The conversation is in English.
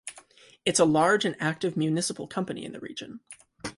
It's a large and active municipal company in the region.